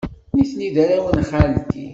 Nitni d arraw n xalti.